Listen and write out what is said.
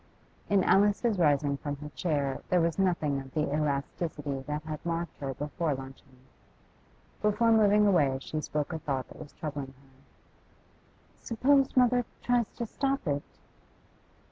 In Alice's rising from her chair there was nothing of the elasticity that had marked her before luncheon. Before moving away she spoke a thought that was troubling her. 'Suppose mother tries to stop it?